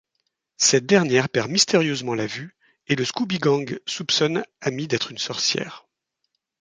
Cette dernière perd mystérieusement la vue et le Scooby-gang soupçonne Amy d'être une sorcière.